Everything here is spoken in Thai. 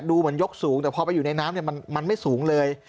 เหมือนยกสูงแต่พอไปอยู่ในน้ำมันไม่สูงเลย